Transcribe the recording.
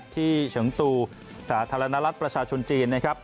ที่เฉิงตูสาธารณรัฐประชาชนจีน